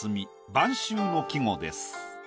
晩秋の季語です。